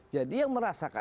jadi yang merasakan